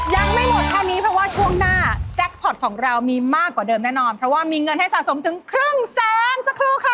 ยังไม่หมดแค่นี้เพราะว่าช่วงหน้าแจ็คพอร์ตของเรามีมากกว่าเดิมแน่นอนเพราะว่ามีเงินให้สะสมถึงครึ่งแสนสักครู่ค่ะ